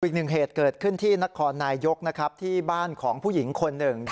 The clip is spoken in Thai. อีกหนึ่งเหตุเกิดขึ้นที่นครนายยกนะครับที่บ้านของผู้หญิงคนหนึ่ง